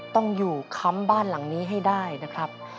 ต้องอยู่ค้ำบ้านหลังนี้ให้ได้นะครับ